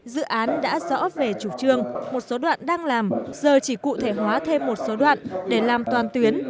dự án đã rõ về chủ trương một số đoạn đang làm giờ chỉ cụ thể hóa thêm một số đoạn để làm toàn tuyến